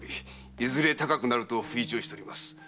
「いずれ高くなる」と吹聴しております。